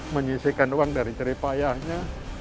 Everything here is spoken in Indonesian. menyisikan uang dari ceripayahnya